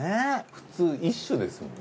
普通１種ですもんね。